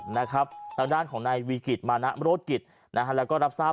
ทางด้านของนายวีกิจมานะโรธกิจนะฮะแล้วก็รับทราบ